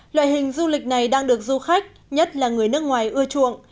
loại hình du lịch này đang được du khách nhất là người nước ngoài ưa chuộng